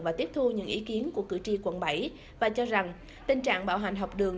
và tiếp thu những ý kiến của cử tri quận bảy và cho rằng tình trạng bạo hành học đường